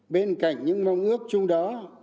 bên cạnh những mong ước chung đó